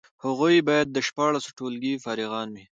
هغوی باید د شپاړسم ټولګي فارغان وي.